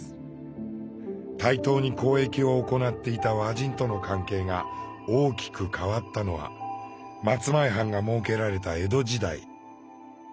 対等に交易を行っていた和人との関係が大きく変わったのは松前藩が設けられた江戸時代。